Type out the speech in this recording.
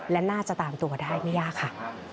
และน่าจะตามตัวได้ไม่ยากค่ะ